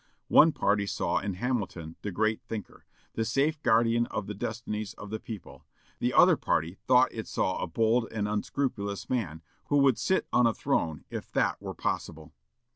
One party saw in Hamilton the great thinker, the safe guardian of the destinies of the people; the other party thought it saw a bold and unscrupulous man, who would sit on a throne if that were possible.